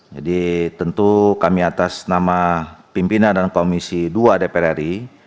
jadi tentu kami atas nama pimpinan dan komisi ii dpr ri